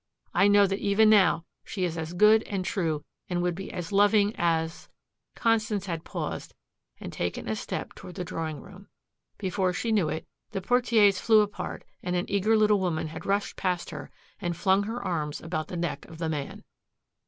I know that even now she is as good and true and would be as loving as " Constance had paused and taken a step toward the drawing room. Before she knew it, the portieres flew apart and an eager little woman had rushed past her and flung her arms about the neck of the man.